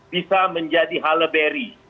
bisa menjadi halaberry